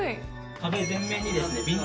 壁全面にですね